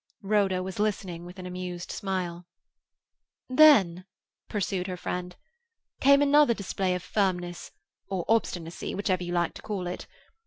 Rhoda was listening with an amused smile. "Then," pursued her friend, "came another display of firmness or obstinacy, whichever you like to call it.